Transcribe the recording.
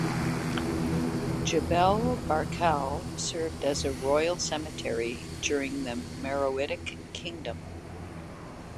Jebel Barkal served as a royal cemetery during the Meroitic Kingdom.